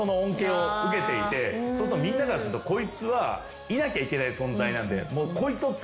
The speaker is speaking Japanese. そうするとみんなからするとこいつはいなきゃいけない存在なんで。